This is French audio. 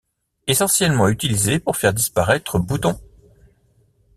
Essentiellement utilisé pour faire disparaître boutons.